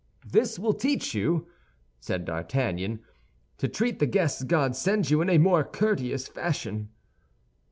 "This will teach you," said D'Artagnan, "to treat the guests God sends you in a more courteous fashion."